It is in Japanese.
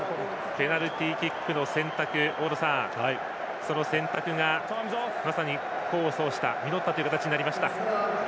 ペナルティーキックの選択がまさに、功を奏した実った形になりました。